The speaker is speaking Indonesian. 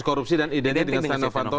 korupsi dan identik dengan setia novanto